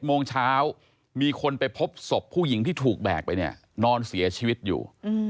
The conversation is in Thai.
โมงเช้ามีคนไปพบศพผู้หญิงที่ถูกแบกไปเนี่ยนอนเสียชีวิตอยู่